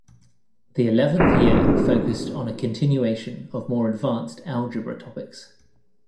The eleventh year focused on a continuation of more advanced algebra topics.